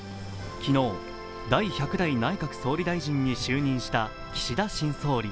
機能、第１００代内閣総理大臣に就任した岸田新総理。